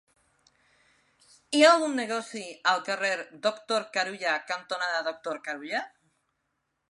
Hi ha algun negoci al carrer Doctor Carulla cantonada Doctor Carulla?